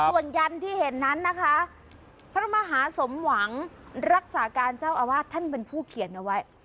ส่วนยันที่เห็นนั้นนะคะพระมหาสมหวังรักษาการเจ้าอาวาสท่านเป็นผู้เขียนเอาไว้